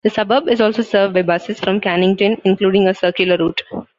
The suburb is also served by buses from Cannington, including a circular route.